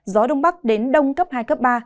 gió đông bắc đến đông cấp hai cấp ba